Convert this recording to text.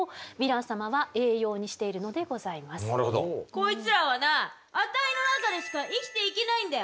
こいつらはなあたいの中でしか生きていけないんだよ。